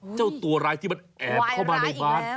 เจ้าตัวร้ายที่มันแอบเข้ามาในบ้าน